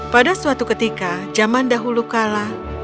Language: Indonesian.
pada suatu ketika zaman dahulu kala